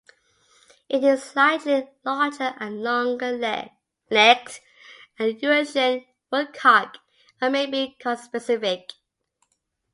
It is slightly larger and longer-legged than Eurasian woodcock, and may be conspecific.